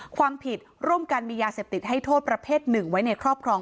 ความผิดร่วมกันมียาเสพติดให้โทษประเภทหนึ่งไว้ในครอบครอง